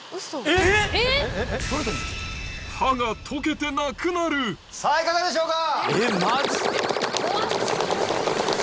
えっ⁉さぁいかがでしょうか？